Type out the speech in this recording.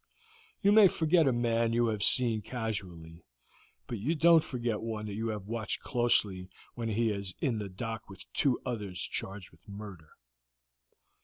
You may forget a man you have seen casually, but you don't forget one you have watched closely when he is in the dock with two others charged with murder.